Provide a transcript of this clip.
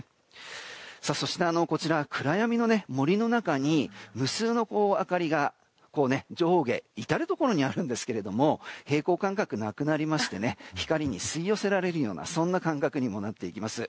そして暗闇の森の中に無数の明かりが上下至るところにあるんですが平衡感覚がなくなって光に吸い寄せられるような感覚にもなってきます。